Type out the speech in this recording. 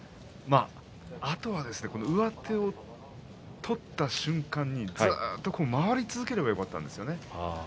あとは上手を取った瞬間にずっと回り続ければよかったんですよね。